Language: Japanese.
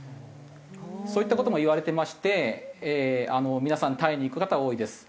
そういった事もいわれてまして皆さんタイに行く方は多いです。